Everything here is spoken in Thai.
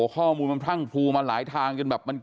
ข้อมูลมันพรั่งพูมาหลายทาง